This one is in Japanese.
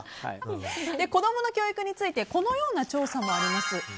子供の教育についてこのような調査もあります。